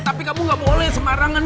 tapi kamu gak boleh sembarangan